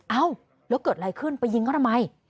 เอ้าแล้วเกิดอะไรขึ้นไปยิงเขาทำไม